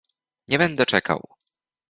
Nie będę czekał!